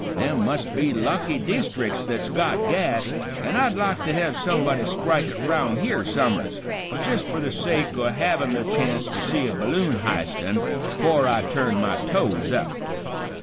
Them must be lucky deestric's that's got gas, an' I'd like to hev somebody strike it 'round here some'rs, jist fer the sake o' havin' the chance to see a balloon h'istin' 'fore I turn my toes up.